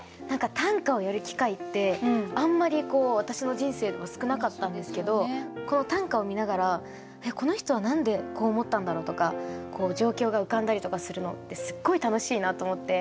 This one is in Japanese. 短歌をやる機会ってあんまり私の人生では少なかったんですけど短歌を見ながら「えっこの人は何でこう思ったんだろう？」とか状況が浮かんだりとかするのってすっごい楽しいなと思って。